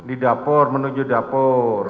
di dapur menuju dapur